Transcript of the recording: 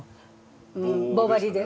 棒針で？